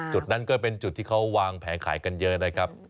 จุดนั้นก็เป็นจุดที่เขาวางแผงขายกันเยอะนะครับ